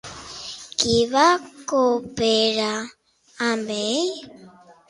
Qui va cooperar amb ell?